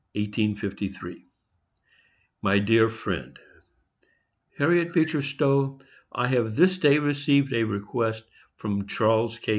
_ MY DEAR FRIEND, HARRIET BEECHER STOWE: I have this day received a request from Charles K.